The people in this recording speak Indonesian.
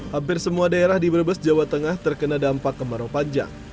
hampir semua daerah di brebes jawa tengah terkena dampak kemarau panjang